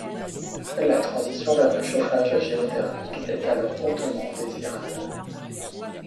La transition vers le chauffage géothermique est alors hautement désirable.